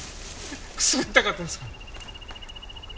くすぐったかったですか？